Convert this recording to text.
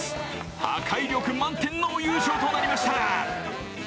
破壊力満点の優勝となりました。